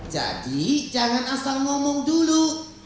jadi jangan asal ngomong dulu